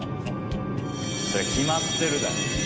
そりゃ決まってるだろ。